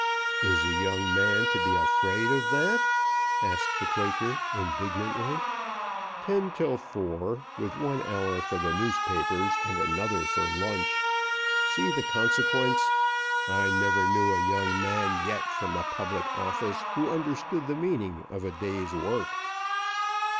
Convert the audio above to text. "Is a young man to be afraid of that?" asked the Quaker, indignantly. "Ten till four, with one hour for the newspapers and another for lunch. See the consequence. I never knew a young man yet from a public office who understood the meaning of a day's work."